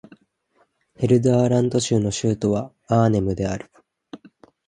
ヘルダーラント州の州都はアーネムである